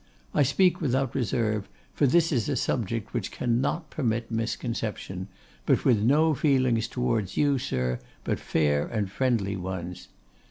I speak without reserve, for this is a subject which cannot permit misconception, but with no feelings towards you, sir, but fair and friendly ones.